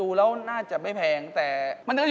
อุปกรณ์ทำสวนชนิดใดราคาถูกที่สุด